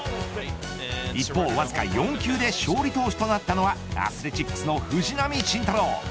一方、わずか４球で勝利投手となったのはアスレチックスの藤浪晋太郎。